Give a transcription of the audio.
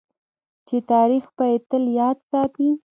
چې تاریخ به یې تل یاد ساتي.